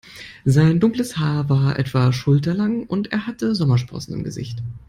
Sein dunkles Haar war etwa schulterlang und er hatte Sommersprossen im Gesicht.